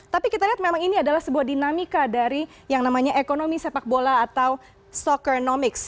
tapi kita lihat memang ini adalah sebuah dinamika dari yang namanya ekonomi sepak bola atau soccernomics